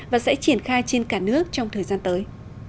và sẽ triển khai trên cả nước trong thời gian tới